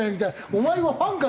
お前はファンか！